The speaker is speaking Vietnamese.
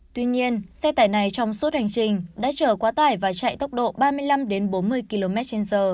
tuy nhiên xe tải này trong suốt hành trình đã chở quá tải và chạy tốc độ ba mươi năm bốn mươi kmh